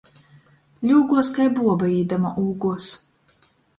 Ļūguos, kai buoba, īdama ūguos.